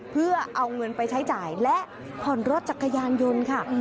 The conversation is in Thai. เพื่อเอาเงินไปใช้จ่ายและผ่อนรถจักรยานยนต์ค่ะ